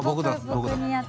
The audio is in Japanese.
僕だ。